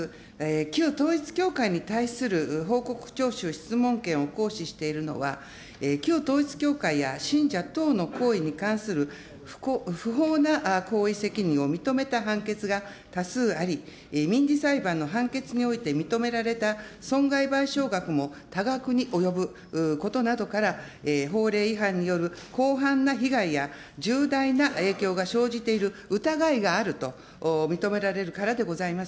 旧統一教会に対する報告聴取質問権を行使しているのは、旧統一教会や信者等の行為に関する不法な行為責任を認めた判決が多数あり、民事裁判の判決において認められた損害賠償額も多額に及ぶことなどから、法令違反による広範な被害や重大な影響が生じている疑いがあると認められるからでございます。